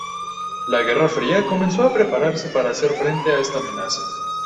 La Guerra Fría comenzó a prepararse para hacer frente a esta amenaza.